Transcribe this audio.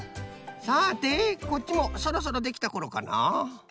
さてこっちもそろそろできたころかな？